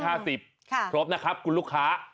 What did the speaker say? ครบนี่นะครับอันยนต์กิจคุณลูกค้า